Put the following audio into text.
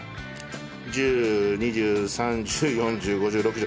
１０２０３０４０５０６０。